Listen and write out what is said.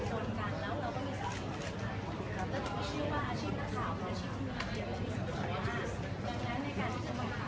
ก็จะถามเรื่องฝากด้วยว่าโซเชียลนักศึกษาในสิ่งที่เราอยากฝากด้วยจริง